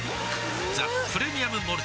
「ザ・プレミアム・モルツ」